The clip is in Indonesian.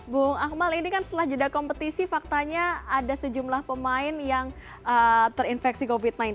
bu akmal ini kan setelah jeda kompetisi faktanya ada sejumlah pemain yang terinfeksi covid sembilan belas